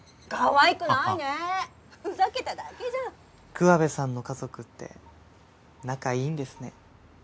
桑部さんの家族って仲いいんですね。